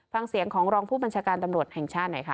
ฟังเสียงของรองผู้บัญชาการตำรวจแห่งชาติหน่อยค่ะ